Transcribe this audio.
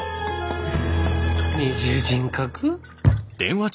二重人格？